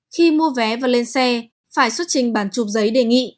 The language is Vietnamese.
khi mua vé và lên xe phải xuất trình bản chụp giấy đề nghị